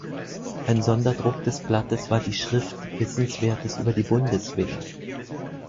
Ein Sonderdruck des Blattes war die Schrift Wissenswertes über die Bundeswehr.